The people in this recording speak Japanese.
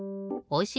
お！